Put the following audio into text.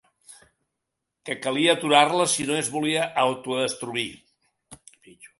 Que calia aturar-la si no es volia autodestruir.